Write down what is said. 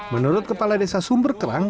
menurut kepala desa sumberkerang